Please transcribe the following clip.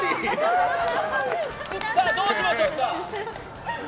どうしましょうか？